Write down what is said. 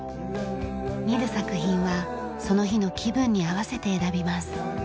見る作品はその日の気分に合わせて選びます。